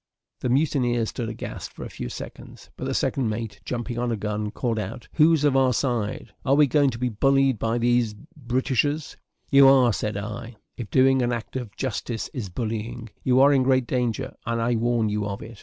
The mutineers stood aghast for a few seconds; but the second mate, jumping on a gun, called out, "Who's of our side? Are we going to be bullied by these d d Britishers?" "You are," said I, "if doing an act of justice is bullying. You are in great danger, and I warn you of it.